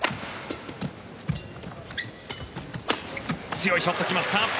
強いショット来ました。